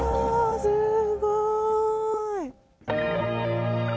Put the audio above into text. すごい。